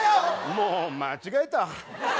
もう間違えた。